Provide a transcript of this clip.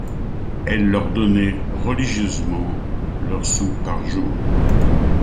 Elle leur donnait religieusement leur sou par jour.